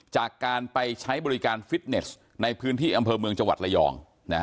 จากการไปใช้บริการฟิตเนสในพื้นที่อำเภอเมืองจังหวัดระยอง